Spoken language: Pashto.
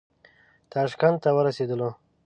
تاشکند ته ورسېدلو.